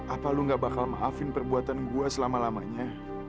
apa lu gak bakal maafin perbuatan gue selama lamanya